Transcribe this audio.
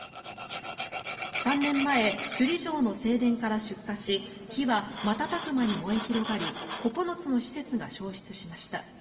３年前、首里城の正殿から出火し火は瞬く間に燃え広がり９つの施設が焼失しました。